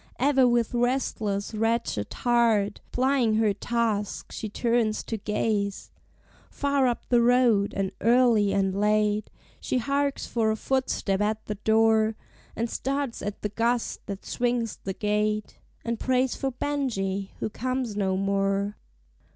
Ever with restless, wretched heart, Plying her task, she turns to gaze Far up the road; and early and late She harks for a footstep at the door, And starts at the gust that swings the gate, And prays for Benjie, who comes no more.